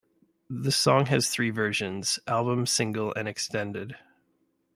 The song has three versions: album, single and extended.